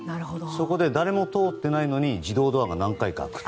そこで誰も通ってないのに自動ドアが何回か開く。